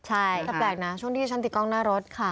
แต่แปลกนะช่วงที่ฉันติดกล้องหน้ารถค่ะ